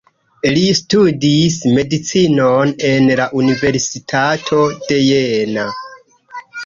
Li studis medicinon en la Universitato de Jena.